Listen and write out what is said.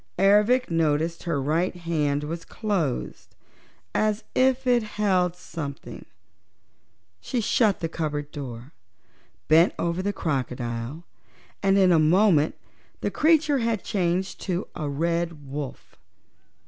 Ervic noticed her right hand was closed, as if she held something in it. She shut the cupboard door, bent over the crocodile and in a moment the creature had changed to a red wolf.